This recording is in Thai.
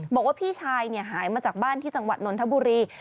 บอกว่าพี่ชายหายมาจากบ้านที่จังหวัดนนทบุรี